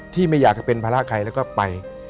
ไม่อยากจะเป็นภาระใครแล้วก็ไป